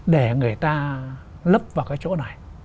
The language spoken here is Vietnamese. để người ta lấp vào cái chỗ này